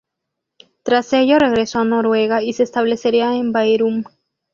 Tras ello regresó a Noruega y se establecería en Bærum.